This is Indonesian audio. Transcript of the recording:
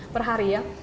per hari ya